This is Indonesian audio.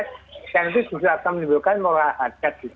yang itu juga akan menimbulkan moral aset gitu ya